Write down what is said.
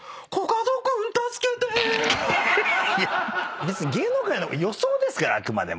別に芸能界の予想ですからあくまでも。